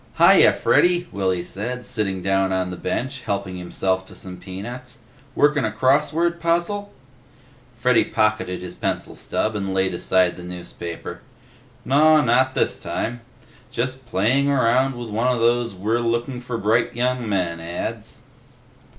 "Hi ya, Freddy," Willy said, sitting down on the bench and helping himself to some peanuts. "Workin' a crossword puzzle?" Freddy pocketed his pencil stub and laid aside the newspaper. "Naw, not this time. Just playing around with one of those 'We're looking for bright young men' ads."